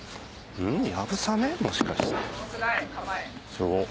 すごっ。